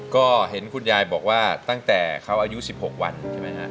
ก็เห็นคุณยายบอกว่าตั้งแต่เขาอายุ๑๖วันใช่ไหมฮะ